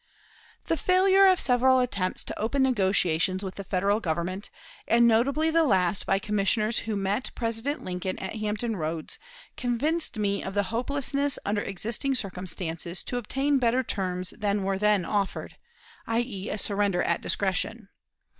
The failure of several attempts to open negotiations with the Federal Government, and notably the last by commissioners who met President Lincoln at Hampton Roads, convinced me of the hopelessness under existing circumstances to obtain better terms than were then offered, i. e., a surrender at discretion.